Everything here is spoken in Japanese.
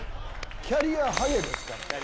キャリアハゲですから。